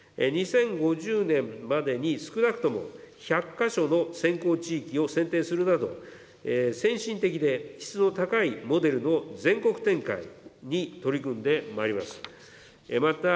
２０５０年までに少なくとも１００か所の先行地域を選定するなど、先進的で質の高いモデルの全国展開に取り組んでまいります。